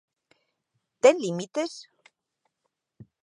Ten límites?